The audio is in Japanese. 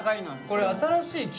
これ新しい企画？